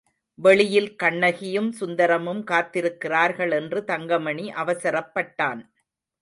வெளியில் கண்ணகியும் சுந்தரமும் காத்திருக்கிறார்கள் என்று தங்கமணி அவசரப்பட்டான்.